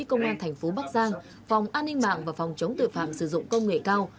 công an tp bắc giang phòng an ninh mạng và phòng chống tội phạm sử dụng công nghệ cao